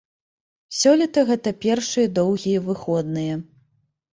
Сёлета гэта першыя доўгія выходныя.